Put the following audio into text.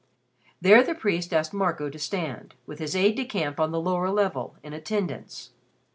There the priest asked Marco to stand, with his aide de camp on the lower level in attendance.